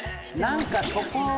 何かそこ。